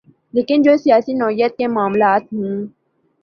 لیکن جو سیاسی نوعیت کے معاملات ہوں۔